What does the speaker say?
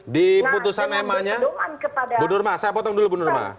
di putusan ma nya bu nurma saya potong dulu bu nurma